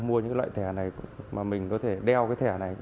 mua những loại thẻ này mà mình có thể đeo cái thẻ này